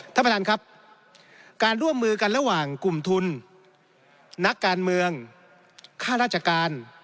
ท่านประธานครับการร่วมมือกันระหว่างกลุ่มทุนนักการเมืองค่าราชการ